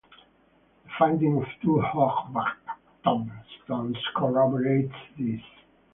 The finding of two hogback tombstones corroborates this.